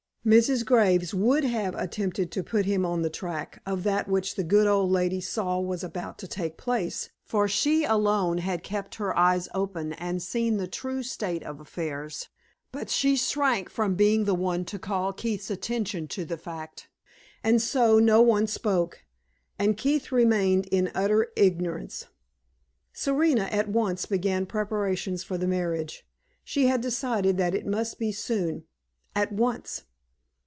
Mrs. Graves would have attempted to put him on the track of that which the good old lady saw was about to take place, for she alone had kept her eyes open and seen the true state of affairs, but she shrank from being the one to call Keith's attention to the fact, and so no one spoke, and Keith remained in utter ignorance. Serena at once began preparations for the marriage. She had decided that it must be soon at once.